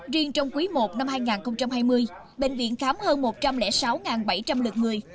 riêng trong quý i năm hai nghìn hai mươi bệnh viện khám hơn một trăm linh sáu bảy trăm linh lượt người